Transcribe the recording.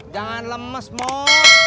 jangan lemes mot